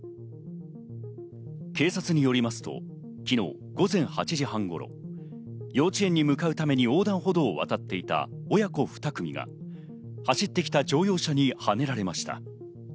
警察によりますと昨日午前８時半頃、幼稚園に向かうために横断歩道を渡っていた親子ふた組が走ってきた乗用車にはねられました。